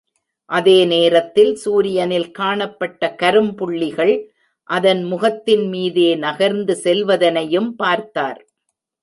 அதேநேரத்தில் சூரியனில் காணப்பட்ட கரும்புள்ளிகள் அதன் முகத்தின் மீதே நகர்ந்து செல்வதனையும் பார்த்தார்.